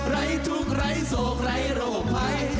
ไร้ทุกข์ไร้โศกไร้โรคภัย